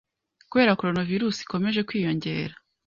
kubera coronavirus ikomeje kwiyongera.